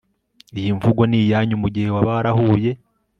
Iyi mvugo ni iyanyu mugihe waba warahuye